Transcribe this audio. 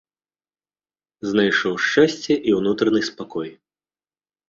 Знайшоў шчасце і ўнутраны спакой.